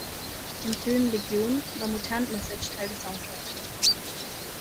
Im Film Legion war "Mutant Message" Teil des Soundtracks.